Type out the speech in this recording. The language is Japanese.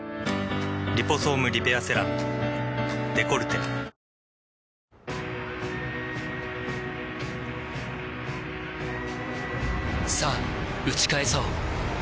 「リポソームリペアセラムデコルテ」さぁ打ち返そう